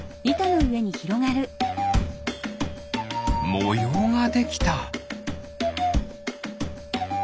もようができた。